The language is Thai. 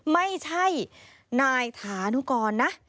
ไม่ใช่นายฐานุกรนะ